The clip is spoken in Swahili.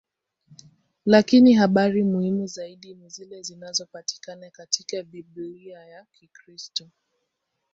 Lakini habari muhimu zaidi ni zile zinazopatikana katika Biblia ya Kikristo.